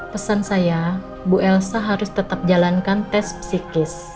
pesan saya bu elsa harus tetap jalankan tes psikis